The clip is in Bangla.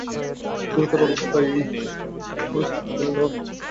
গুরুতর অবস্থায় ময়মনসিংহ মেডিকেল কলেজ হাসপাতালে নেওয়ার পথে সোহেল মারা যান।